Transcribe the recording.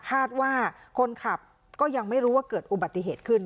คาดว่าคนขับก็ยังไม่รู้ว่าเกิดอุบัติเหตุขึ้น